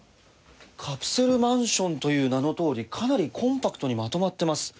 カプセルマンションという名のとおりかなりコンパクトにまとまっています。